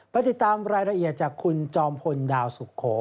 ไปติดตามรายละเอียดจากคุณจอมพลดาวสุโข